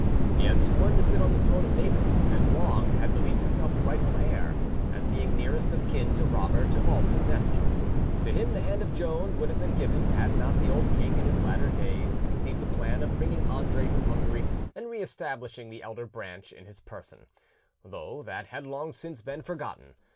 He had sworn to sit on the throne of Naples, and long had believed himself the rightful heir, as being nearest of kin to Robert of all his nephews. To him the hand of Joan would have been given, had not the old king in his latter days conceived the plan of bringing Andre from Hungary and re establishing the elder branch in his person, though that had long since been forgotten.